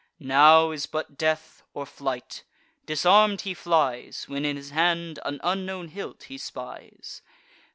Now is but death, or flight; disarm'd he flies, When in his hand an unknown hilt he spies.